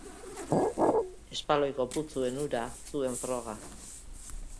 Espaloiko putzuen ura zuen froga.